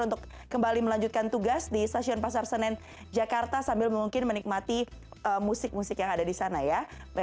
untuk kembali melanjutkan tugas di stasiun pasar senen jakarta sambil mungkin menikmati musik musik yang ada di sana ya